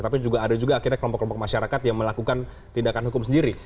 tapi juga ada juga akhirnya kelompok kelompok masyarakat yang melakukan tindakan hukum sendiri